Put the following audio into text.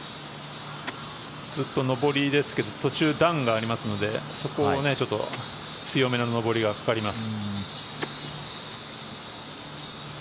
ずっと上りですけど途中、段がありますのでそこをちょっと強めの上りがかかります。